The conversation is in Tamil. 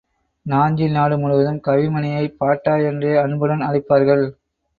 நாஞ்சில் நாடுமுழுவதும் கவிமணியைப் பாட்டா என்றே அன்புடன் அழைப்பார்கள்.